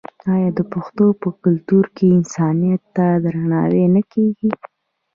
آیا د پښتنو په کلتور کې انسانیت ته درناوی نه کیږي؟